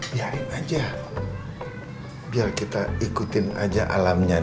biarin aja biar kita ikutin aja alamnya